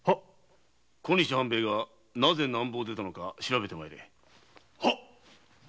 小西半兵衛がなぜ南部を出たのか調べて参れ。